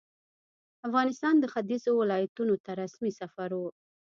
افغانستان ختیځو ولایتونو ته رسمي سفر وو.